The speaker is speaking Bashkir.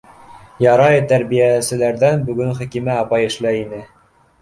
Ярай, тәрбиәселәрҙән бөгөн Хәкимә апай эшләй ине.